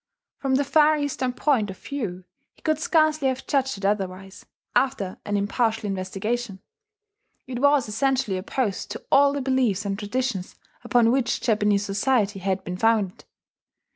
From the Far Eastern point of view he could scarcely have judged it otherwise, after an impartial investigation. It was essentially opposed to all the beliefs and traditions upon which Japanese society had been founded.